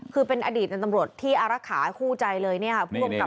คือเป็นอดีตเป็นตำรวจที่อารักษาคู่ใจเลยเนี่ยฮะ